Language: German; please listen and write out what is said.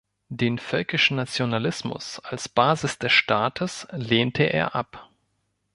Den Völkischen Nationalismus als Basis des Staates lehnte er ab.